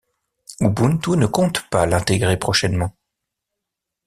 Ubuntu ne compte pas l'intégrer prochainement.